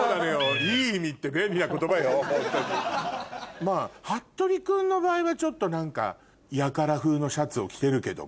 まぁはっとり君の場合はちょっと何かやから風のシャツを着てるけども。